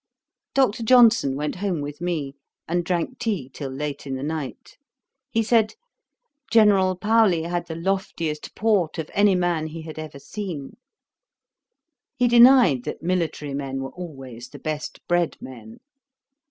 Dr. Johnson went home with me, and drank tea till late in the night. He said, 'General Paoli had the loftiest port of any man he had ever seen.' He denied that military men were always the best bred men.